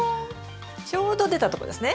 ちょうど出たとこですね。